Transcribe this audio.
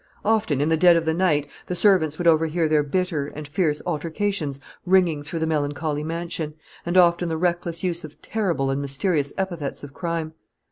Often, in the dead of the night, the servants would overhear their bitter and fierce altercations ringing through the melancholy mansion, and often the reckless use of terrible and mysterious epithets of crime.